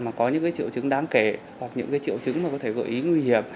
các bạn có những triệu chứng đáng kể hoặc những triệu chứng có thể gợi ý nguy hiểm